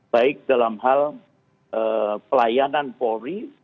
baik dalam hal pelayanan polri